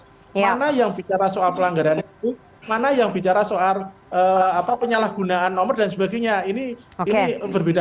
mana yang bicara soal pelanggaran itu mana yang bicara soal penyalahgunaan nomor dan sebagainya ini berbeda